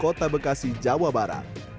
kota bekasi jawa barat